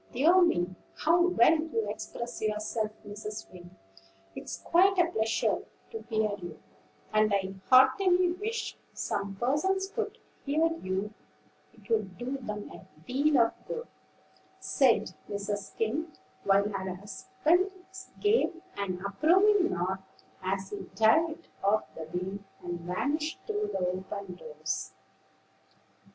"Dear me! how well you express yourself, Mrs. Wing; it's quite a pleasure to hear you; and I heartily wish some persons could hear you, it would do 'em a deal of good," said Mrs. Skim; while her husband gave an approving nod as he dived off the beam, and vanished through the open doors.